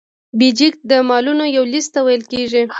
بیجک د مالونو یو لیست ته ویل کیږي.